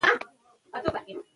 له ځینو کسانو يادونه کړې.